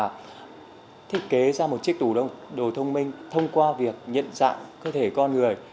có thể thiết kế ra một chiếc tủ đồ thông minh thông qua việc nhận dạng cơ thể con người